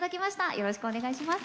よろしくお願いします。